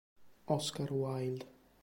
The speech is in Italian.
Oscar Wilde